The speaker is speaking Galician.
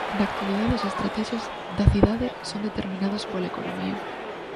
Na actualidade as estratexias de cidade son determinadas pola economía.